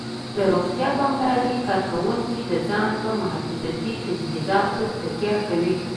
د روغتیا پاملرنې کارکوونکي د ځان په محافظتي تجهیزاتو تکیه کوي